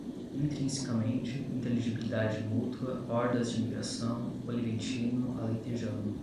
intrinsecamente, inteligibilidade mútua, hordas de migração, oliventino, alentejano